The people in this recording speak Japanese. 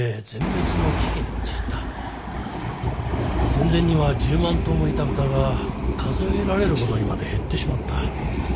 戦前には１０万頭もいた豚が数えられるほどにまで減ってしまった。